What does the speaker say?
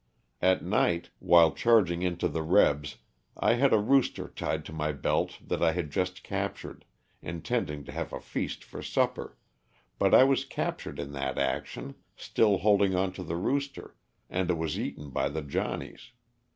At night, while charging into the *' rebs," I had a rooster tied to my belt that I had just captured, intending to have a feast for supper, but I was captured in that action, still holding onto the rooster, and it was eaten by the ^'Johnnies."